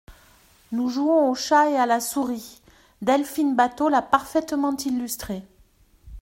Nous jouons au chat et à la souris, Delphine Batho l’a parfaitement illustré.